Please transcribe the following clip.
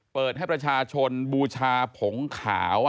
เปิดให้ประชาชนบูชาผงขาว